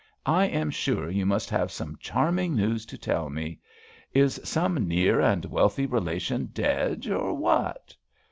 I am sure you must have some charming news to tell me. Is some near and wealthy relation dead, or what?"